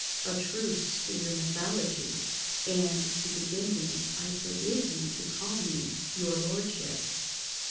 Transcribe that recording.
"A truce to your mythology. And, to begin with, I forbid you to call me 'your lordship.